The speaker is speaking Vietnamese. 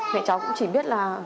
mẹ cháu cũng chỉ biết là thôi